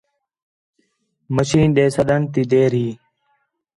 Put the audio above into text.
مشین ݙے سٹّݨ تی دیر ہی